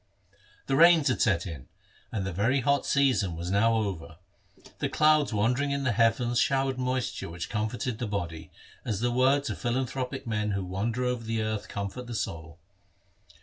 The rains had set in, and the very hot season was now over. The clouds wandering in the heavens showered moisture which comforted the body, as the words of philanthropic men who wander over the earth comfort the soul.